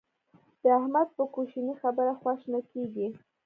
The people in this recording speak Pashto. د احمد په کوشنۍ خبره خوا شنه کېږي.